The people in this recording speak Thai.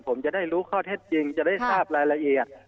ผมจะได้รู้ข้อเท็จจริงจะได้ทราบรายละเอียด